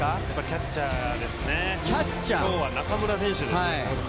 キャッチャーですね、今日は中村選手です